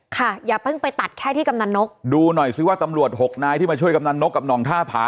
อย่าเพิ่งไปตัดแค่ที่กำนันนกดูหน่อยซิว่าตำรวจหกนายที่มาช่วยกำนันนกกับหน่องท่าผา